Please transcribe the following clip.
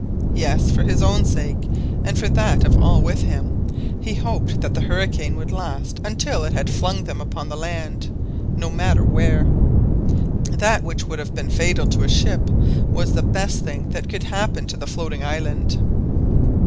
Yes, for his own sake, and for that of all with him, he hoped that the hurricane would last until it had flung them upon the laud, no matter where. That which would have been fatal to a ship was the best thing that could happen to the floating island.